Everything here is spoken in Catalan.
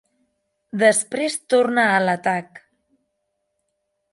Després torna a l'atac.